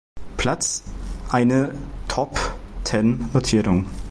Platz eine Top-Ten-Notierung.